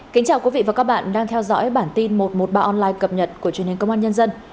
kính chào quý vị và các bạn đang theo dõi bản tin một trăm một mươi ba online cập nhật của truyền hình công an nhân dân